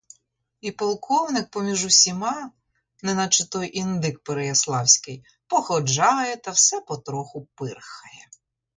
І полковник поміж усіма, неначе той індик переяславський, походжає та все потроху пирхає.